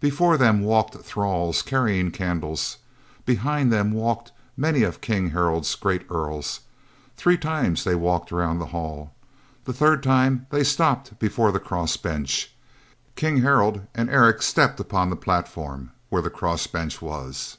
Before them walked thralls carrying candles. Behind them walked many of King Harald's great earls. Three times they walked around the hall. The third time they stopped before the cross bench. King Harald and Eric stepped upon the platform, where the cross bench was.